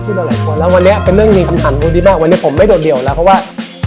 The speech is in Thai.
ถ้าเด็กไปเรียนแล้วเด็กจะได้อะไร